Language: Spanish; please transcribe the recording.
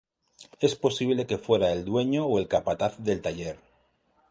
Es posible que fuera el dueño o el capataz del taller.